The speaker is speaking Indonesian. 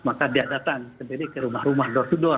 maka dia datang sendiri ke rumah rumah door to door